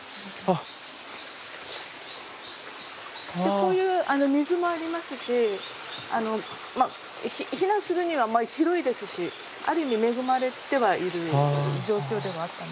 こういう水もありますし避難するには広いですしある意味恵まれてはいる状況ではあったんですが。